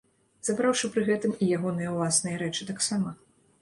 Забраўшы пры гэтым і ягоныя ўласныя рэчы таксама.